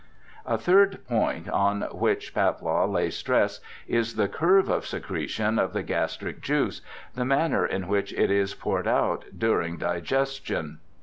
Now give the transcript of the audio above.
A third point on which Pawlow lays stress is the curve of secretion of the gastric juice, the manner in which it is poured out during digestion.